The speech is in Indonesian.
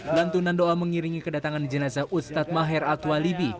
lantunan doa mengiringi kedatangan jenazah ustadz maher atwalibi